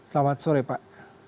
selamat sore pak